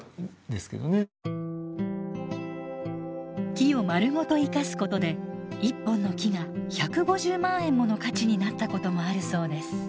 木をまるごと生かすことで１本の木が１５０万円もの価値になったこともあるそうです。